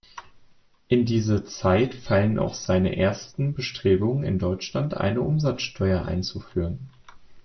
In diese Zeit fallen auch seine ersten Bestrebungen, in Deutschland eine Umsatzsteuer einzuführen.